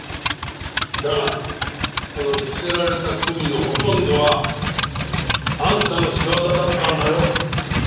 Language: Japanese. だがその着せられた罪のほとんどはあんたの仕業だったんだよ。